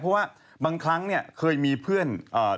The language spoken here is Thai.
เพราะว่าบางครั้งเคยมีเพื่อน